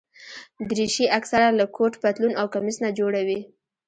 دریشي اکثره له کوټ، پتلون او کمیس نه جوړه وي.